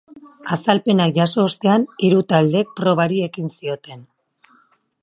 Azalpenak jaso ostean, hiru taldeek probari ekin zioten.